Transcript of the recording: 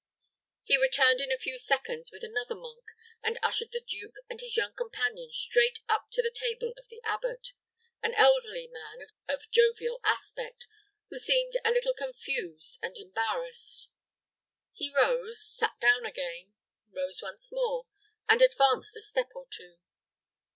He returned in a few seconds with another monk, and ushered the duke and his young companion straight up to the table of the abbot, an elderly man of jovial aspect, who seemed a little confused and embarrassed. He rose, sat down again, rose, once more, and advanced a step or two.